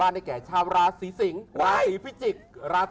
อ่าเชิญพ่อหมอ